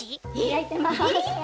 やいてます。